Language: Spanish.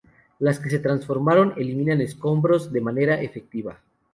Las que se transformaron eliminan escombros de manera efectiva.